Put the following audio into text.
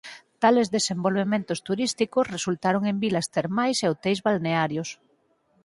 Tales desenvolvementos turísticos resultaron en vilas termais e hoteis balnearios.